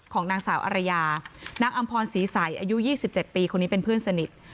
ของนางสาวอารยานางอำพรศรีใสอายุ๒๗ปีคนนี้เป็นเพื่อนสนิท